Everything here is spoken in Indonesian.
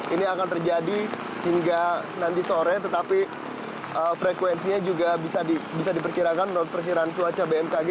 ini akan terjadi hingga nanti sore tetapi frekuensinya juga bisa diperkirakan menurut persiran cuaca bmkg